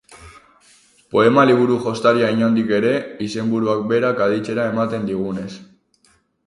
Poema liburu jostaria inondik ere, izenburuak berak aditzera ematen digunez.